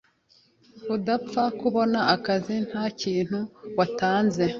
utapfa kubona akazi nta kintu watanze.